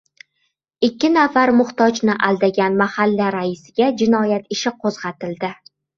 Ikki nafar muhtojni aldagan mahalla raisiga jinoyat ishi qo‘zg‘atildi